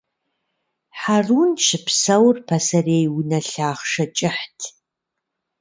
Хьэрун щыпсэур пасэрей унэ лъахъшэ кӀыхьт.